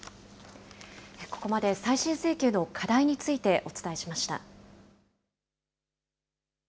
ここまで再審請求の課題についてお伝えしました。